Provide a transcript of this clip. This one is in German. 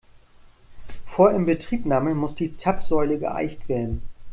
Vor Inbetriebnahme muss die Zapfsäule geeicht werden.